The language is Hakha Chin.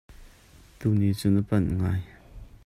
Tuni cu na panh ngai .